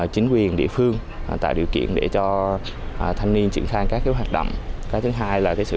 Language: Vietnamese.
chính quyền địa phương tạo điều kiện để cho thanh niên triển khai các hoạt động cái thứ hai là sự